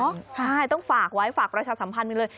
ใช่ต้องฝากไว้ฝากประชาสัมพันธ์ไปเลย